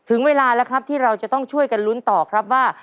ถึงเวลาแล้วครับที่เราจะต้องช่วยกันลุ้นต่อครับว่า